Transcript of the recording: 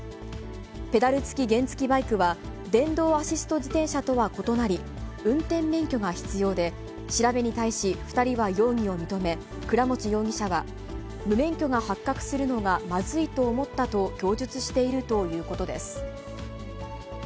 ペダル付き原付きバイクは、電動アシスト自転車とは異なり、運転免許が必要で、調べに対し、２人は容疑を認め、倉持容疑者は、無免許が発覚するのがまずいと思ったと供述しているということです。